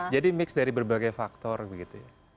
mix dari berbagai faktor begitu ya